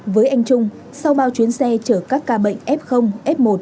với anh trung sau bao chuyến xe chở các ca bệnh f f một